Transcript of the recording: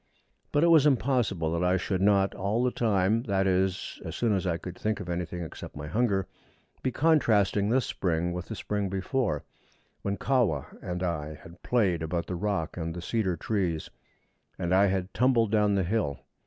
But it was impossible that I should not all the time that is, as soon as I could think of anything except my hunger be contrasting this spring with the spring before, when Kahwa and I had played about the rock and the cedar trees, and I had tumbled down the hill.